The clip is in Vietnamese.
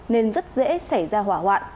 nên rất dễ xảy ra hỏa hoạn